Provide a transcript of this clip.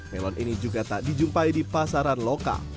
melon ini juga tak dijumpai di pasaran lokal